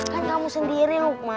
kan kamu sendiri lukman